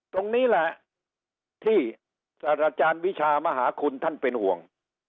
ตรงนี้แหละที่อาจารย์วิชามหาคุณท่านเป็นห่วง